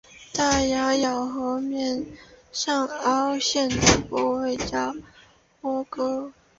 大牙的咬合面上凹陷的部位叫窝沟。